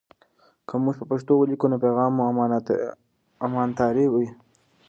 که موږ په پښتو ولیکو، نو پیغام مو امانتاري وي.